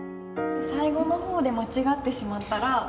最後の方で間違ってしまったら。